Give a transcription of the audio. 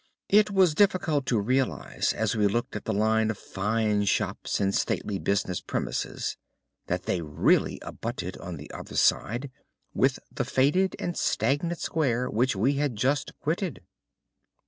It was difficult to realise as we looked at the line of fine shops and stately business premises that they really abutted on the other side upon the faded and stagnant square which we had just quitted.